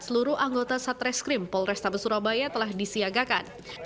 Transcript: seluruh anggota satreskrim polresta besurabaya telah disiagakan